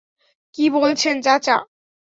কী বলছেন চাচা?